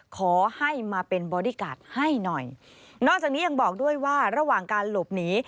ขอให้มาเป็นบอดี้การ์ดให้หน่อยนอกจากนี้ยังบอกด้วยว่าระหว่างการหลบหนี